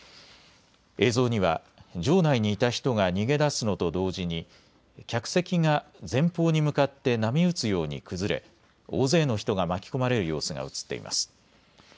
映像には場内にいた人が逃げ出すのと同時に客席が前方に向かって波打つように崩れ大勢の人が巻き込まれる様子が映っています。